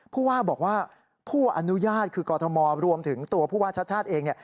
ผู้ว่าบอกว่าผู้อนุญาตคือกรทมรวมถึงตัวผู้ว่าชาติชาติเอง